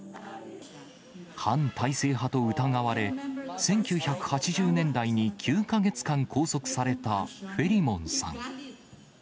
反体制派と疑われ、１９８０年代に９か月間拘束されたフェリモンさん。